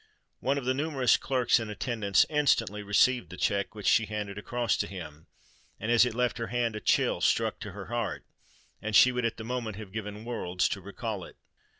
One of the numerous clerks in attendance instantly received the cheque which she handed across to him;—and, as it left her hand, a chill struck to her heart—and she would at that moment have given worlds to recall it.